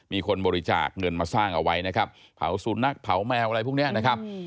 มีคนบริจาคเงินมาสร้างเอาไว้นะครับเผาสุนัขเผาแมวอะไรพวกนี้นะครับ